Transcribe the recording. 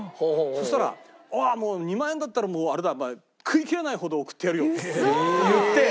そしたら「２万円だったらもうあれだお前食いきれないほど送ってやるよ」って言って。